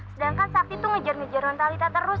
sedangkan sakti tuh ngejar ngejar nontalita terus